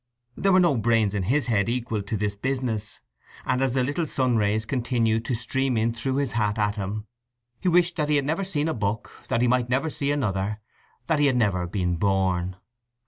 There were no brains in his head equal to this business; and as the little sun rays continued to stream in through his hat at him, he wished he had never seen a book, that he might never see another, that he had never been born.